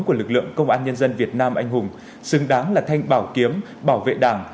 của lực lượng công an nhân dân việt nam anh hùng xứng đáng là thanh bảo kiếm bảo vệ đảng